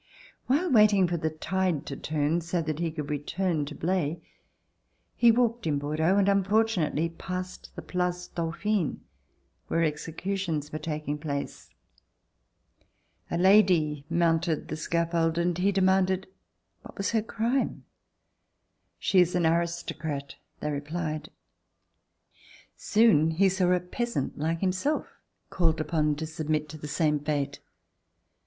While waiting for the tide to turn, so that he could return to Blaye, he walked in Bordeaux, and unfortunately passed the Place Dau phine where executions were taking place. A lady mounted the scaffold and he demanded what was her crime. "She is an aristocrat," they replied. Soon he saw a peasant like himself called upon to submit to the same fate.